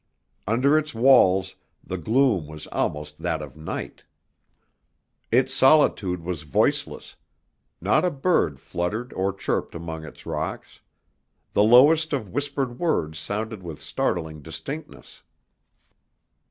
Under its walls the gloom was almost that of night. Its solitude was voiceless; not a bird fluttered or chirped among its rocks; the lowest of whispered words sounded with startling distinctness.